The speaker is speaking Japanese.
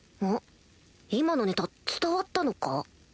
今のネタ伝わったのか？